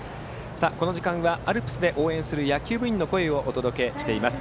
この時間はアルプスで応援する野球部員の声をお届けしています。